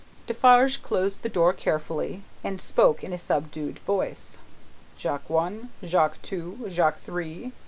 Defarge closed the door carefully, and spoke in a subdued voice: "Jacques One, Jacques Two, Jacques Three!